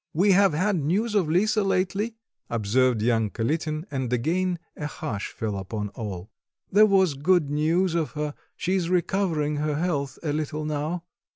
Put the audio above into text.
"We have had news of Lisa lately," observed young Kalitin, and again a hush fell upon all; "there was good news of her; she is recovering her health a little now."